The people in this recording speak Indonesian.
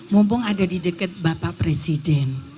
mumpung ada di dekat bapak presiden